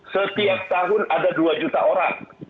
setiap tahun ada dua juta orang